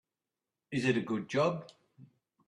Is it a good job?